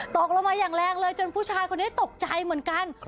ตกลงมาอย่างแรงเลยจนผู้ชายคนนี้ตกใจเหมือนกัน